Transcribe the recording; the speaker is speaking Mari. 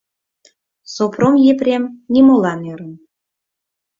Сопром Епрем нимолан ӧрын.